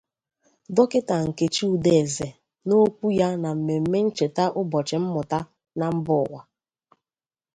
Dọkịta Nkechi Udeze n'okwu ya na mmemme ncheta ụbọchị mmụta na mba ụwa